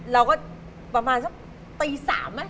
เราก็ประมาณสัก